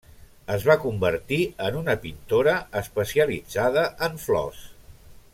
Es va convertir en una pintora especialitzada en flors.